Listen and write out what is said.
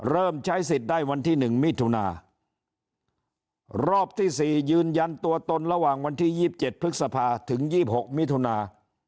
เริ่มใช้สิทธิ์ได้วันที่๑มิถุนารอบที่๔ยืนยันตัวตนระหว่างวันที่๒๗พฤษภาถึง๒๖มิถุนา